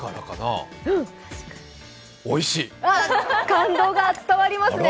感動が伝わりますね！